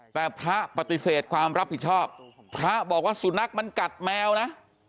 แต่พระปฏิเสธความรับผิดชอบพระบอกว่าสุนัขมันกัดแมวนะ